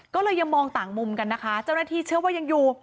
ก็เลยยังมองต่างมุมกันนะคะเจ้าหน้าที่เชื่อว่ายังอยู่